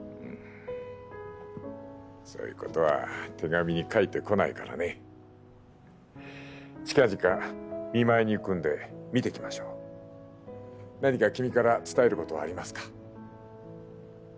そういうことは手紙に書いてこないからね近々見舞いに行くんで見てきましょう何か君から伝えることはありますか？